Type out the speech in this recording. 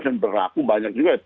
dan berlaku banyak juga